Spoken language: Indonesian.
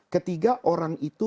ketiga orang itu